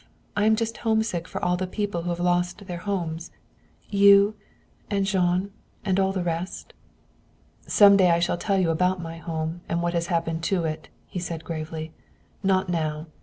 I am just homesick for all the people who have lost their homes. You and Jean, and all the rest." "Some day I shall tell you about my home and what has happened to it," he said gravely. "Not now.